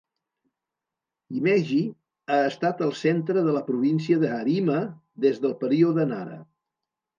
Himeji ha estat el centre de la província de Harima des del període Nara.